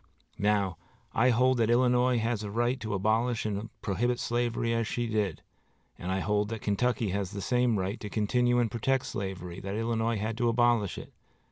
Now, I hold that Illinois had a right to abolish and prohibit slavery as she did, and I hold that Kentucky has the same right to continue and protect slavery that Illinois had to abolish it.